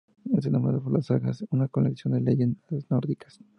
Está nombrado por las sagas, una colección de leyendas nórdicas.